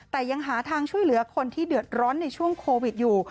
แต่ยังหาทางช่วยเหลือคนที่เดือดร้อนในช่วงโควิดอยู่